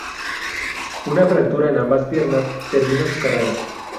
Una fractura en ambas piernas terminó su carrera.